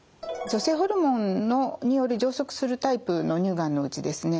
女性ホルモンにより増殖するタイプの乳がんのうちですね